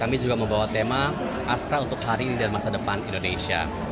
kami juga membawa tema astra untuk hari ini dan masa depan indonesia